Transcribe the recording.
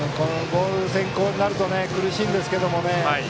ボール先行になると苦しいんですけどね。